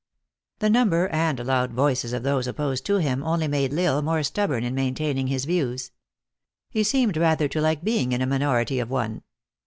The number and loud voices of those opposed to him only made L Isle more stubborn in maintaining his views. He seemed rather to like being in a minority of one.